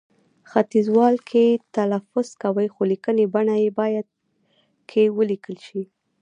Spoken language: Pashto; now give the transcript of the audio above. ختیځوال کښې، کې تلفظ کوي، خو لیکنې بڼه يې باید کښې ولیکل شي